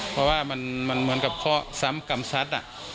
เพราะว่ามันเหมือนกับข้อ๓กรรมศัตริย์